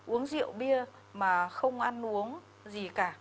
uống rượu bia mà không ăn uống gì cả